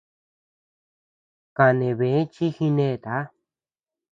Kane bë chi jineta.